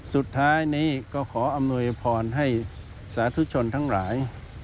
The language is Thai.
สุดท้ายนี้ก็ขออำนวยพรให้สาธุชนทั้งหลาย